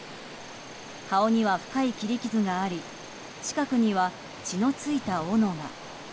顔には深い切り傷があり近くには血の付いたおのが。